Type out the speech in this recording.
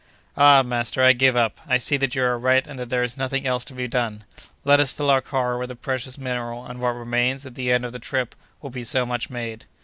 "Ah! master, I give up; I see that you are right, and that there is nothing else to be done. Let us fill our car with the precious mineral, and what remains at the end of the trip will be so much made."